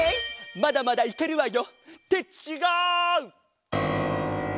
まだまだいけるわよ！ってちがう！